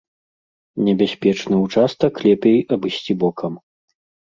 Небяспечны ўчастак лепей абысці бокам.